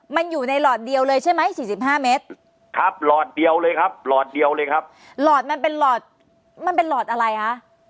มันอยู่ในหลอดเดียวเลยใช่ไหมสี่สิบห้าเมตรครับหลอดเดียวเลยครับหลอดเดียวเลยครับหลอดมันเป็นหลอดมันเป็นหลอดอะไรคะ